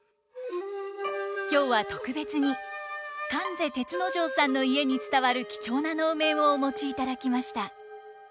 今日は特別に観世銕之丞さんの家に伝わる貴重な能面をお持ちいただきました。